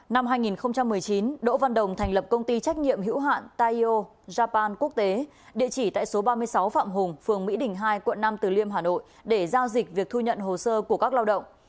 năm hai nghìn một mươi chín đỗ văn đồng thành lập công ty trách nhiệm hữu hạn taio japan quốc tế địa chỉ tại số ba mươi sáu phạm hùng phường mỹ đình hai quận năm từ liêm hà nội để giao dịch việc thu nhận hồ sơ của các lao động